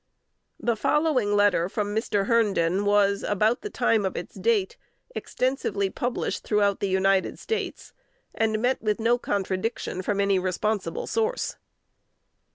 The following letter from Mr. Herndon was, about the time of its date, extensively published throughout the United States, and met with no contradiction from any responsible source.